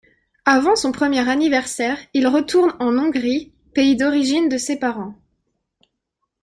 Avant son premier anniversaire, ils retournent en Hongrie, pays d'origine de ses parents.